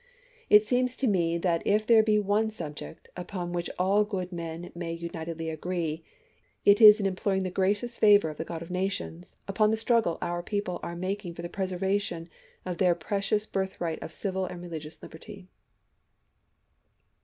It seems to me that if there be one subject upon which all good 328 ABRAHAM LINCOLN Chap. XV. men may unitedly agree, it is in imploring the gracious Lincoln to favor of the God of Nations upon the struggle our people Quakers ^^'® making for the preservation of their precious birth Jan. 5, ' rigrht of civil and religious liberty.